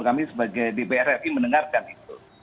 kami sebagai dpr ri mendengarkan itu